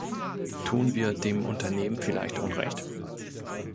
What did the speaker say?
Tun wir dem Unternehmen vielleicht Unrecht?